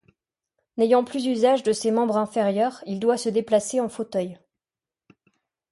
N’ayant plus usage de ses membres inférieurs, il doit se déplacer en fauteuil.